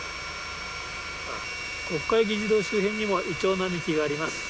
国会議事堂周辺にもイチョウ並木があります。